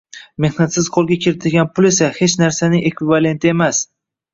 Mehnatsiz qo‘lga kiritilgan pul esa hech narsaning ekvivalenti emas.